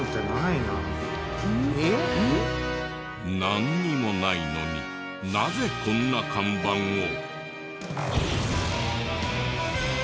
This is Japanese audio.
なんにもないのになぜこんな看板を？